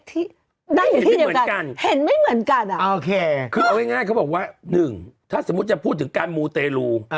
ที่เห็นไม่เหมือนกันอ่ะคือเอาง่ายเขาบอกว่าหนึ่งถ้าสมมติจะพูดถึงการมูเตรลู